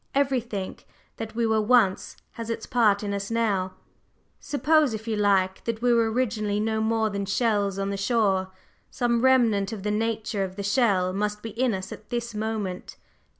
Everything that we were once has its part in us now. Suppose, if you like, that we were originally no more than shells on the shore, some remnant of the nature of the shell must be in us at this moment.